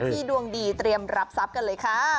ดวงดีเตรียมรับทรัพย์กันเลยค่ะ